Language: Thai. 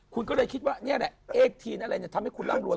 คุณก็เลยคิดว่านี่แหละเอกทีนอะไรเนี่ยทำให้คุณร่ำรวย